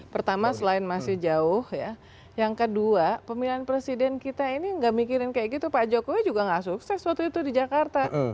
pertama selain masih jauh ya yang kedua pemilihan presiden kita ini nggak mikirin kayak gitu pak jokowi juga gak sukses waktu itu di jakarta